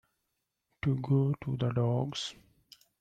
To go to the dogs.